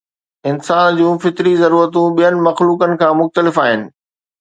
انسان جون فطري ضرورتون ٻين مخلوقن کان مختلف آهن.